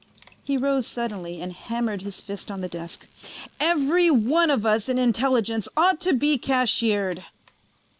He rose suddenly and hammered his fist on the desk. "Every one of us in Intelligence ought to be cashiered!"